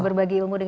terima kasih tuhan